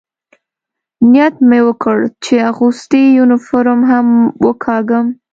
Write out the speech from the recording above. نیت مې وکړ، چې اغوستی یونیفورم هم وکاږم.